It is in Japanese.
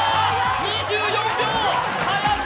２４秒！